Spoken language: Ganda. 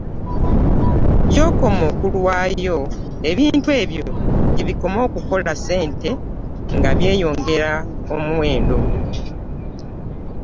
Gy’okoma okulwayo, ebintu ebyo gye bikoma okukola ssente nga byeyongera omuwendo.